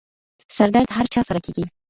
سردرد هر چا سره کېږي.